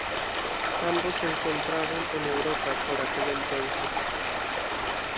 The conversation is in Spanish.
Ambos se encontraban en Europa por aquel entonces.